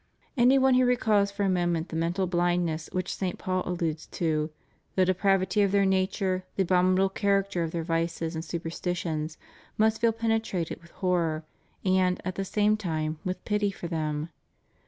Any one who recalls for a moment that mental bhndness which St. Paul alludes to,^ the depravity of their nature, the abominable character of their vices and superstitions, must feel penetrated with hor ror, and, at the same time, with pity for them.